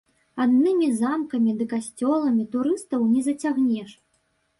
Аднымі замкамі ды касцёламі турыстаў не зацягнеш.